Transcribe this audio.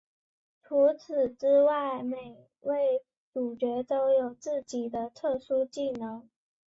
除此之外每位主角都有自己的特殊技能。